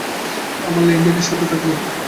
আমি ল্যান্ডনের সাথে থাকব।